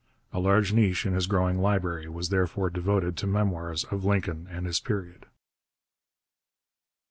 A large niche in his growing library was therefore devoted to memoirs of Lincoln and his period.